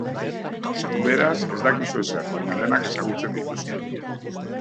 Beraz, ez dakizu ezer, baina denak ezagutzen dituzu....